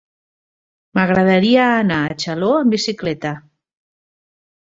M'agradaria anar a Xaló amb bicicleta.